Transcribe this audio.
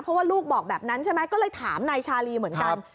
เพราะว่าลูกบอกแบบนั้นใช่ไหมก็เลยถามนายชาลีเหมือนกัน